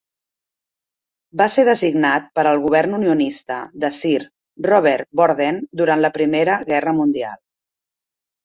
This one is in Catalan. Va ser designat per al govern unionista de Sir Robert Borden durant la Primera Guerra Mundial.